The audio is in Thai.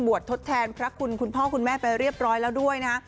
ทดแทนพระคุณคุณพ่อคุณแม่ไปเรียบร้อยแล้วด้วยนะ